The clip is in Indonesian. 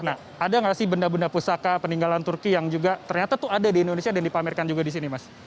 nah ada nggak sih benda benda pusaka peninggalan turki yang juga ternyata tuh ada di indonesia dan dipamerkan juga di sini mas